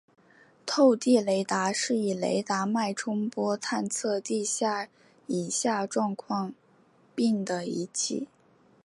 透地雷达是以雷达脉冲波探测地表以下状况并的仪器。